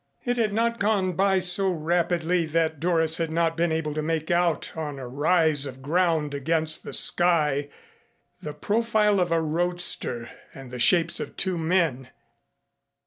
It had not gone by so rapidly that Doris had not been able to make out on a rise of ground against the sky the profile of a roadster and the shapes of two men.